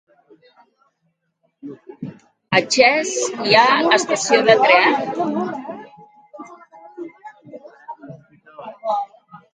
A Xest hi ha estació de tren?